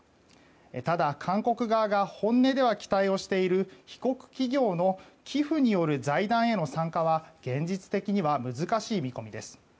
ただ、韓国側が本音では期待をしている被告企業の寄付による財団への参加は現実的には難しい見込みです。